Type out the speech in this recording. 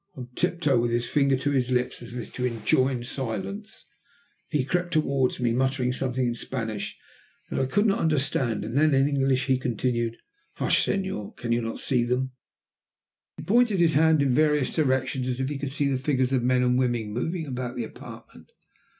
On tip toe, with his finger to his lips, as if to enjoin silence, he crept towards me, muttering something in Spanish that I could not understand; then in English he continued "Hush, Senor, cannot you see them?" He pointed his hand in various directions as if he could see the figures of men and women moving about the apartment.